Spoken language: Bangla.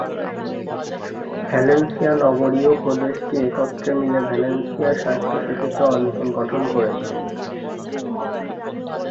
ভালেনসিয়া নগরী ও প্রদেশটি একত্রে মিলে ভালেনসিয়া স্বায়ত্বশাসিত অঞ্চল গঠন করেছে।